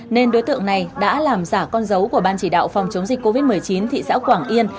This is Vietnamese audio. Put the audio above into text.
nên đối tượng này đã làm giả con dấu của ban chỉ đạo phòng chống dịch covid một mươi chín thị xã quảng yên